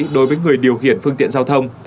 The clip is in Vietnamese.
đối với người điều khiển phương tiện giao thông